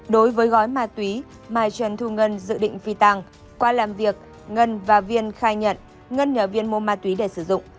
đối với gói ma túy mai trần thu ngân dự định phi tăng qua làm việc ngân và viên khai nhận ngân nhờ viên mua ma túy để sử dụng